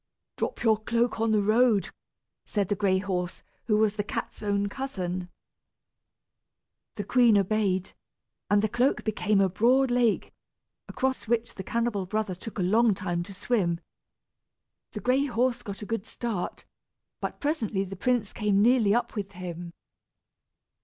"Drop your cloak into the road," said the gray horse, who was the cat's own cousin. The queen obeyed, and the cloak became a broad lake, across which the cannibal brother took a long time to swim. The gray horse got a good start, but presently the prince came nearly up with him.